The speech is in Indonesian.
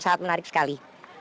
sangat menarik sekali